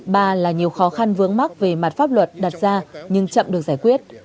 ba là nhiều khó khăn vướng mắc về mặt pháp luật đặt ra nhưng chậm được giải quyết